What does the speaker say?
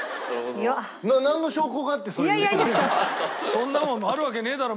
そんなもんあるわけねえだろ！